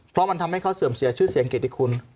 เพราะมันทำให้เขาเสื่อมเสียชื่อเสียงเกติคุณ